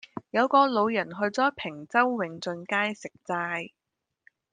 有個老人去左坪洲永俊街食齋